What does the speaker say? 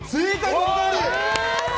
そのとおり！